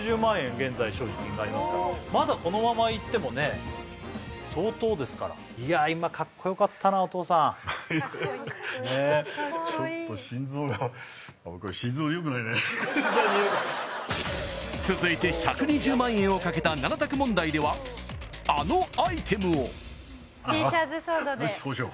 現在所持金がありますからまだこのままいってもね相当ですからいや今カッコよかったなお父さんちょっと心臓が続いて１２０万円をかけた７択問題ではあのアイテムをよしそうしよう